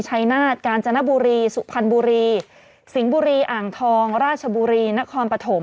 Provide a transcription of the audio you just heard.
ชัยนาฏกาญจนบุรีสุพรรณบุรีสิงห์บุรีอ่างทองราชบุรีนครปฐม